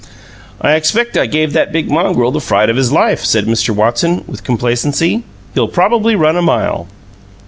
"I expect I gave that big mongrel the fright of his life," said Mr. Watson, with complacency. "He'll probably run a mile!"